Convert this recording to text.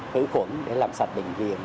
khử khuẩn để làm sạch bệnh viện